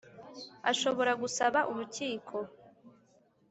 Ashobora gusaba urukiko .